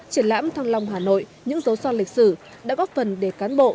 triển lãm thăng long hà nội những dấu son lịch sử đã góp phần để cán bộ